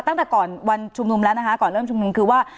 ตั้งแต่ก่อนวันชุมนุมแล้วนะคะก่อนเริ่มชุมนุมคือว่า